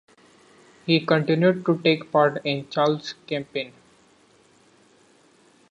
He continued to take part in Charles' campaigns.